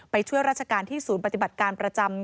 ช่วยราชการที่ศูนย์ปฏิบัติการประจำ